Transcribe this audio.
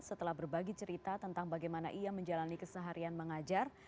setelah berbagi cerita tentang bagaimana ia menjalani keseharian mengajar